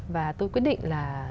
và tôi quyết định là